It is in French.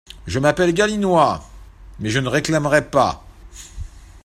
Je m’appelle Galinois… mais je ne réclamerai pas.